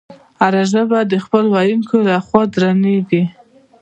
هره ژبه د خپلو ویونکو له خوا درنیږي.